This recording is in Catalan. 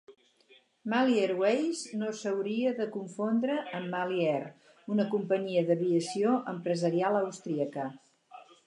Mali Airways no s'hauria de confondre amb Mali Air, una companyia d'aviació empresarial austríaca.